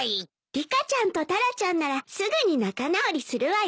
リカちゃんとタラちゃんならすぐに仲直りするわよ。